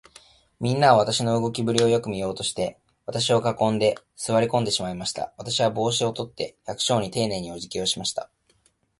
みんなは、私の動きぶりをよく見ようとして、私を囲んで、坐り込んでしまいました。私は帽子を取って、百姓にていねいに、おじぎをしました。